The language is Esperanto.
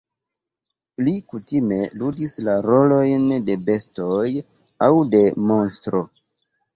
Li kutime ludis la rolojn de bestoj aŭ de monstro.